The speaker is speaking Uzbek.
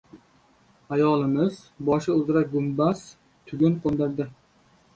Ayolimiz boshi uzra gumbaz tugun qo‘ndirdi.